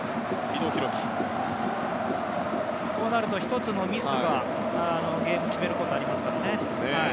こうなると１つのミスがゲームを決めることがありますね。